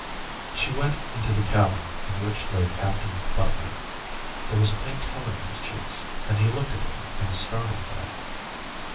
She went into the cabin in which lay Captain Butler. There was a faint colour in his cheeks and he looked at her in a startled way.